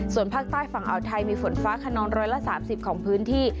ส่วนภาคใต้ฝั่งอ่าวไทยมีฝนฟ้าขนองร้อยละ๓๐ของพื้นที่